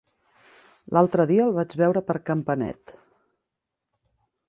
L'altre dia el vaig veure per Campanet.